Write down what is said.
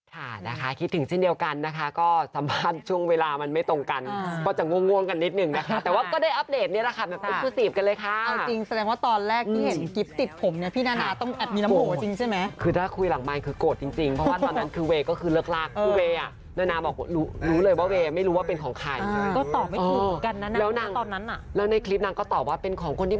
ทำงานด้วยเอาสรุปไม่มีอะไรคุณพุทธองค์เขารักกันดีนะจ๊ะเออ